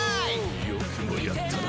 よくもやったな！